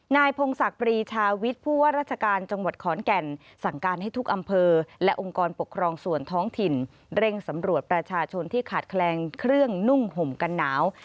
พงศักดิ์ปรีชาวิทย์ผู้ว่าราชการจังหวัดขอนแก่นสั่งการให้ทุกอำเภอและองค์กรปกครองส่วนท้องถิ่นเร่งสำรวจประชาชนที่ขาดแคลนเครื่องนุ่งห่มกันหนาว